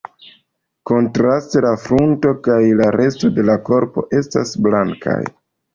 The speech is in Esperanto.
Kontraste la frunto kaj la resto de la korpo estas blankaj.